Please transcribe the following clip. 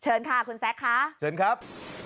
เชิญค่ะคุณแซคค่ะเชิญครับ